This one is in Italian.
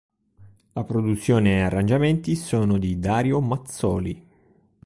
La produzione e arrangiamenti sono di Dario Mazzoli